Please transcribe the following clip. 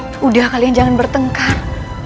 sudah kalian jangan bertengkar